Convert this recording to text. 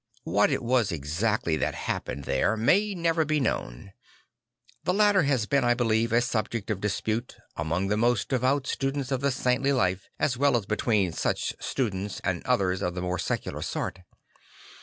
What it was exactly that happened there may never be known. The matter has been, I believe, a subject of dispute among the most devout students of the saintly life as well as between such students and others of the more secular sort.